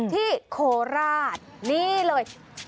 ที่โคราชนี่เลย